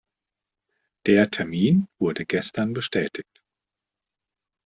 Der Termin wurde gestern bestätigt.